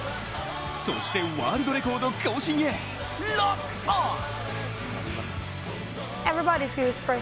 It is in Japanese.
そしてワールドレコード更新へロックオン！